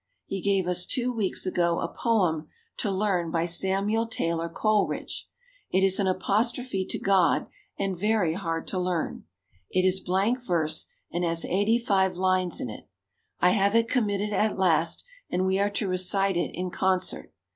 He gave us two weeks ago a poem to learn by Samuel Taylor Coleridge. It is an apostrophe to God and very hard to learn. It is blank verse and has 85 lines in it. I have it committed at last and we are to recite it in concert.